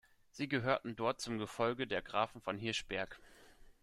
Sie gehörten dort zum Gefolge der Grafen von Hirschberg.